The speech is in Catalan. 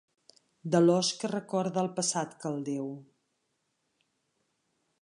De l'ós que recorda el passat caldeu.